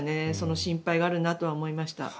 心配があるなと思いました。